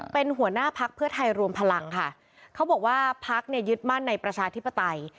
เป็นหัวหน้าพักเพื่อไทยรวมพลังค่ะเขาบอกว่าพักเนี่ยยึดมั่นในประชาธิปไตย